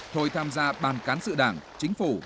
tham gia ban cán sự đảng chính phủ